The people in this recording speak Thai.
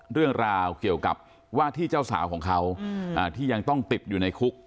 เรื่องราวเกี่ยวกับว่าที่เจ้าสาวของเขาที่ยังต้องติดอยู่ในคุก